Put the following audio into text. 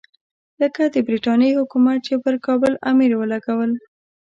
لکه د برټانیې حکومت چې پر کابل امیر ولګول.